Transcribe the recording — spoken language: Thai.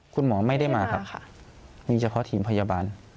คุณหมอไม่ได้มาครับค่ะมีเฉพาะทีมพยาบาล